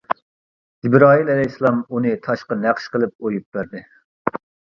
جەبرائىل ئەلەيھىسسالام ئۇنى تاشقا نەقىش قىلىپ ئۇيۇپ بەردى.